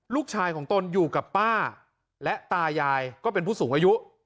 ลูกชายของตนอยู่กับป้าและตายายก็เป็นผู้สูงอายุ